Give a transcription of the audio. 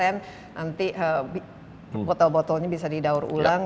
nanti botol botolnya bisa didaur ulang